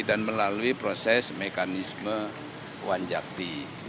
dan melalui proses mekanisme wanjakti